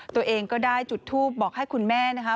ตัวเองก็ได้จุดทูปบอกให้คุณแม่นะคะ